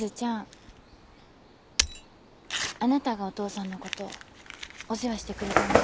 あなたがお父さんのことお世話してくれたんだよね？